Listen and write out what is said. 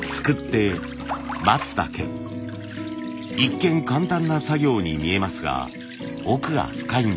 一見簡単な作業に見えますが奥が深いんです。